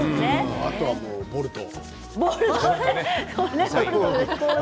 あとはボルト。